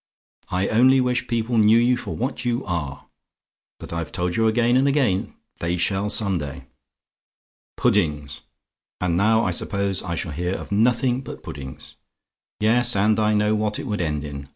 I only wish people knew you for what you are; but I've told you again and again they shall some day. "Puddings! And now I suppose I shall hear of nothing but puddings! Yes, and I know what it would end in.